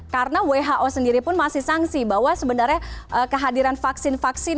karena who sendiri pun masih sangsi bahwa sebenarnya kehadiran vaksin vaksin